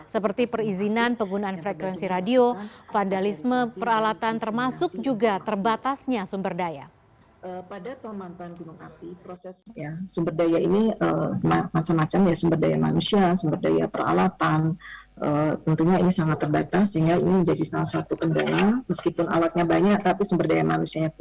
seperti perizinan penggunaan frekuensi radio vandalisme peralatan termasuk juga terbatasnya sumber daya